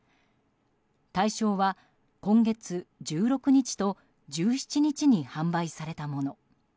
対象は今月１６日と１７日に販売されたもの。